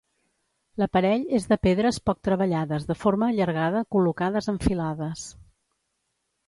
L'aparell és de pedres poc treballades de forma allargada col·locades en filades.